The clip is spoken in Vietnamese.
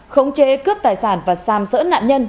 khống chế cướp tài sản và xam sỡ nạn nhân